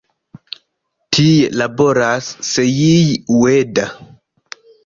Tie laboras Seiji Ueda.